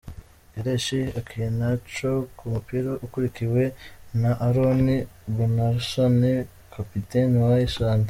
Kelechi Iheanacho ku mupira akurikiwe na Aron Gunnarsson kapiteni wa Iceland .